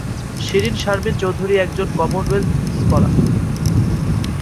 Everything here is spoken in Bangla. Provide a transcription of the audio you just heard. শিরীন শারমিন চৌধুরী একজন কমনওয়েলথ স্কলার।